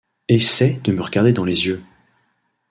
Essaie de me regarder dans les yeux.